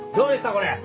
これ。